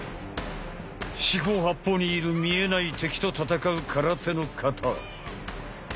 四方八方にいる見えない敵と戦う空手の形。